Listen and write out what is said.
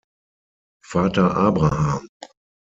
Vater Abraham